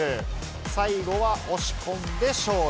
最後は押し込んで勝利。